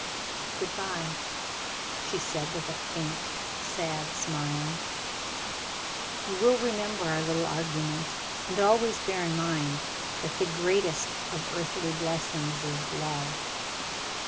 "Good bye!" she said, with a faint, sad smile. "You will remember our little argument, and always bear in mind that the greatest of earthy blessings is love."